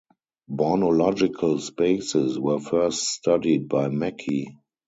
Bornological spaces were first studied by Mackey.